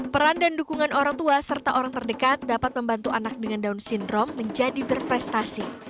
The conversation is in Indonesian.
peran dan dukungan orang tua serta orang terdekat dapat membantu anak dengan down syndrome menjadi berprestasi